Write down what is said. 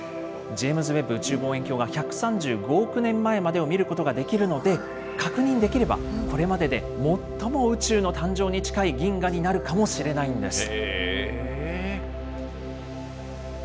ジェームズ・ウェッブ宇宙望遠鏡が１３５億年前までを見ることができるので、確認できれば、これまでで最も宇宙の誕生に近い銀河になるかもしれないんです。